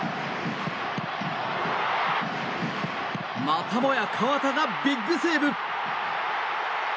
またもや河田がビッグセーブ。